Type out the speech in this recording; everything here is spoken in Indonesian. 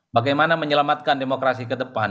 bagaimana menyelamatkan demokrasi ke depan